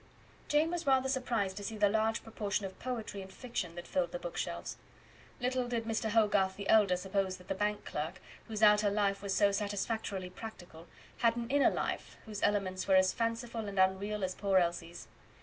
Jane was rather surprised to see the large proportion of poetry and fiction that filled the book shelves. Little did Mr. Hogarth the elder suppose that the bank clerk, whose outer life was so satisfactorily practical, had an inner life whose elements were as fanciful and unreal as poor Elsie's.